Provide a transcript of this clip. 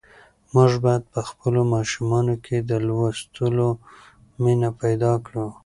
موږ باید په خپلو ماشومانو کې د لوستلو مینه پیدا کړو.